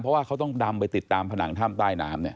เพราะว่าเขาต้องดำไปติดตามผนังถ้ำใต้น้ำเนี่ย